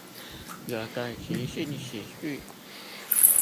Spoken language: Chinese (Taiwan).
有個即興喜劇